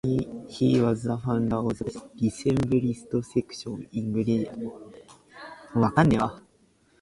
He was the founder of the Decembrist section in Grenadier regiment.